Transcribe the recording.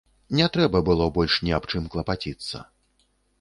Не трэба было больш ні аб чым клапаціцца.